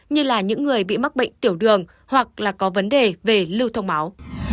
như là những người bị mắc bệnh tiểu đường hoặc là có vấn đề về lưu thông máu